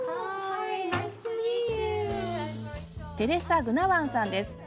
テレサ・グナワンさんです。